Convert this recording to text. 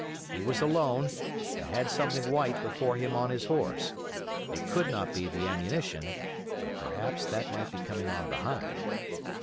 He was alone, and had something white before him on his horse—it could not be the ammunition; but perhaps that might be coming on behind.